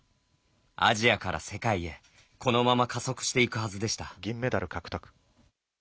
アジアから世界へこのまま加速していくはずでした。